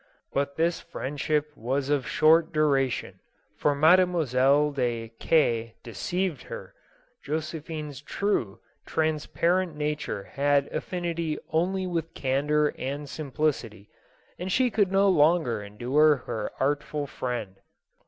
But this friendship was of short duration, for Mademoiselle de K ... deceived her ; Josephine's true, transparent nature had affinity only with candor and simplicity, and she could no longer endure her artful friend.